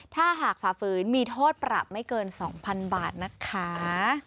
ถ้าหากฝ่าฝืนมีโทษปรับไม่เกิน๒๐๐๐บาทนะคะ